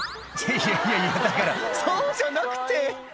いやいやいやだからそうじゃなくて！